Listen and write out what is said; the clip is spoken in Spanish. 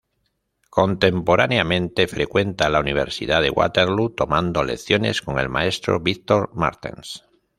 Contemporáneamente frecuenta la Universidad de Waterloo tomando lecciones con el Maestro Victor Martens.